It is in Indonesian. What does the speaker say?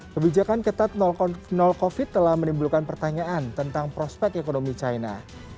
kebijakan ketat non covid telah menimbulkan pertanyaan tentang prospek ekonomi china